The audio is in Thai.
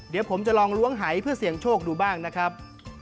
เดี๋ยวผมจะลองล้วงหายเพื่อเสี่ยงโชคดูบ้างนะครับ